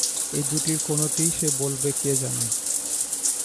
এই দুটির কোনটি সে বলবে কে জানে!